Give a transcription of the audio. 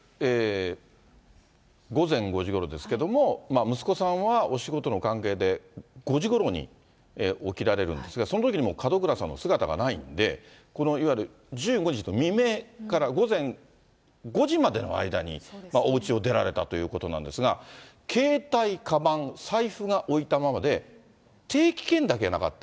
午前５時ごろですけれども、息子さんはお仕事の関係で５時ごろに起きられるんですが、そのときにもう、門倉さんの姿がないんで、このいわゆる１５日の未明から午前５時までの間におうちを出られたということなんですが、携帯、かばん、財布が置いたままで、定期券だけなかった。